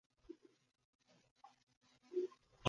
They have large front claws used for burrowing.